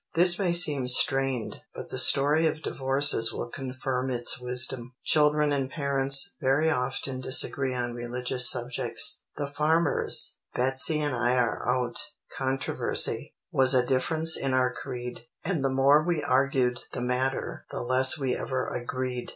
This may seem strained, but the story of divorces will confirm its wisdom. Children and parents very often disagree on religious subjects. The farmer's "Betsey and I are out" controversy, "was a difference in our creed. And the more we argued the matter, the less we ever agreed."